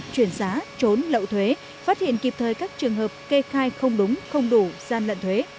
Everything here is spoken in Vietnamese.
chuyển giá trốn lậu thuế phát hiện kịp thời các trường hợp kê khai không đúng không đủ gian lận thuế